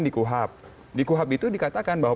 di kuhap di kuhab itu dikatakan bahwa